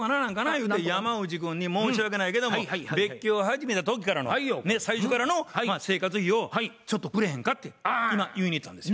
ゆうて山内君に申し訳ないけども別居を始めた時からの最初からの生活費をちょっとくれへんかって今言いに行ったんですよ。